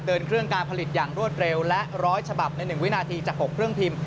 เดินเครื่องการผลิตอย่างรวดเร็วและ๑๐๐ฉบับใน๑วินาทีจาก๖เครื่องพิมพ์